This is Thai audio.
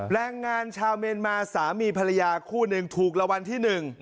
แรงงานชาวเมียนมาสามีภรรยาคู่หนึ่งถูกรางวัลที่๑